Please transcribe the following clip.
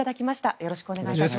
よろしくお願いします。